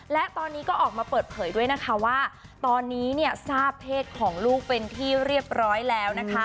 และตอนนี้ก็ออกมาเปิดเผยด้วยนะคะว่าตอนนี้เนี่ยทราบเพศของลูกเป็นที่เรียบร้อยแล้วนะคะ